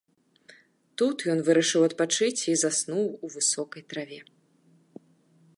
Тут ён вырашыў адпачыць і заснуў у высокай траве.